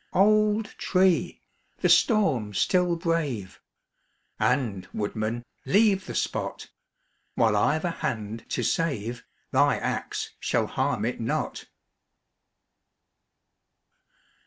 Old tree! the storm still brave! And, woodman, leave the spot; While I've a hand to save, thy axe shall harm it not.